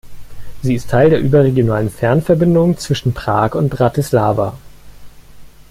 Sie ist Teil der überregionalen Fernverbindung zwischen Prag und Bratislava.